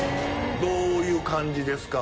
どういう感じですか？